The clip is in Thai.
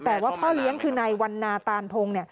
แต่ว่าพ่อเลี้ยงคือนายวันนาตานพงศ์